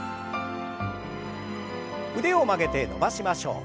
腕を曲げて伸ばしましょう。